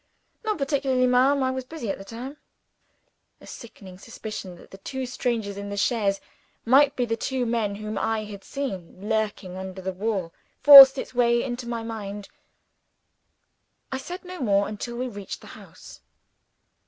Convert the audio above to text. "Not particularly, ma'am. I was busy at the time." A sickening suspicion that the two strangers in the chaise might be the two men whom I had seen lurking under the wall, forced its way into my mind. I said no more until we reached the house.